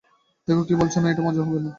দেখো, কেউ বলছে না এটা মজার হবে না।